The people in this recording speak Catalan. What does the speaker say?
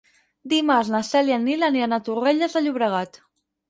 Dimarts na Cel i en Nil aniran a Torrelles de Llobregat.